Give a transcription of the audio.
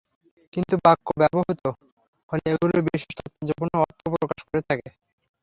কিন্তু বাক্যে ব্যবহূত হলে এগুলো বিশেষ তাৎপর্যপূর্ণ অর্থ প্রকাশ করে থাকে।